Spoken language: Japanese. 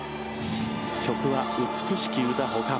曲は「美シキ歌」他。